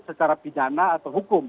secara pidana atau hukum